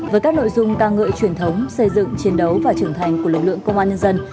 với các nội dung ca ngợi truyền thống xây dựng chiến đấu và trưởng thành của lực lượng công an nhân dân